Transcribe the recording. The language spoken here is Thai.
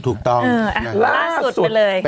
ถูกต้องล่าสุดเลย